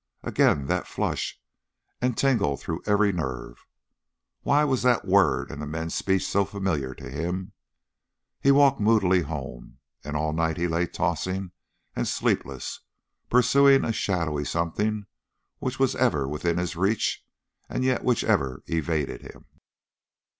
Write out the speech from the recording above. Again that flush and tingle through every nerve. Why was that word and the men's speech so familiar to him? He walked moodily home, and all night he lay tossing and sleepless, pursuing a shadowy something which was ever within his reach, and yet which ever evaded him.